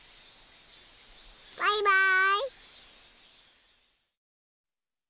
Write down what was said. バイバーイ。